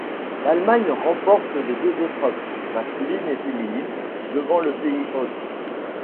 L'Allemagne remporte les deux épreuves, masculine et féminine, devant le pays hôte.